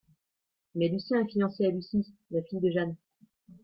Mais Lucien est fiancé à Lucie, la fille de Jeanne.